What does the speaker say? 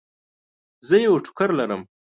زه یو ټوکر لرم.